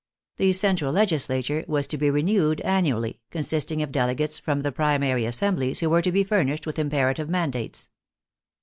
The central legislature was to Be renewed an nually, consisting of delegates from the primary assem blies, who were to be furnished with imperative mandates.